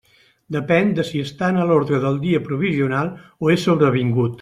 Depèn de si està en l'ordre del dia provisional o és sobrevingut.